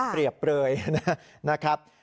เปรียบเปลยนะครับ